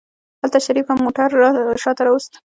هلته شريف هم موټر شاته راوست.